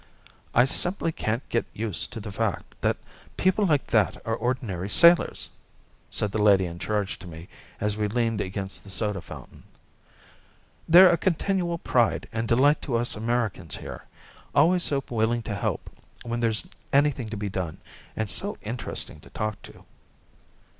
"I simply can't get used to the fact that people like that are ordinary sailors," said the lady in charge to me as we leaned against the soda fountain. "They're a continual pride and delight to us Americans here always so willing to help when there's anything to be done, and so interesting to talk to."